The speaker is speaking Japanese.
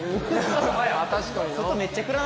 確かにな。